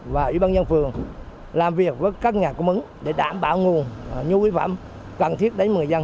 và ủy ban nhân phường làm việc với các nhà cung ứng để đảm bảo nguồn nhu yếu phẩm cần thiết đến người dân